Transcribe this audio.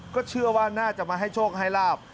ก็เชื่อว่าน่าจะมาให้โชคให้ลาบ